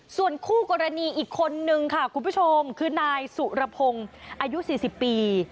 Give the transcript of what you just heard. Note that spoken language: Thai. ส่วนคู่กรณีอีกคนนึงค่ะคุณผู้ชมคือนายสุรพงศ์อายุ๔๐ปี